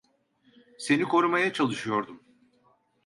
Seni korumaya çalışıyordum.